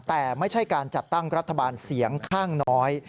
แต่ไม่ใช่การจัดตั้งรัฐบาลเสียงข้างน้อย